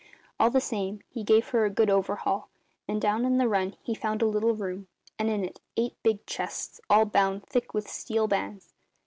All the same, he gave her a good overhaul; and down in the run he found a little room, and in it eight big chests all bound round with thick, steel bands.